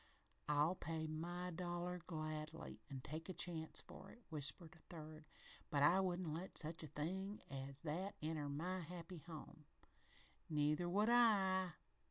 "I'll pay my dollar gladly, and take a chance for it," whispered a third, "but I wouldn't let such a thing as that enter my happy home " "Neither would I!"